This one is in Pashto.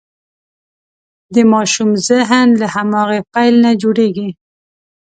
د ماشوم ذهن له هماغې پیل نه جوړېږي.